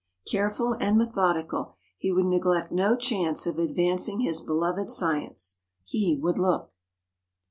Careful and methodical, he would neglect no chance of advancing his beloved science. He would look.